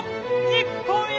日本一！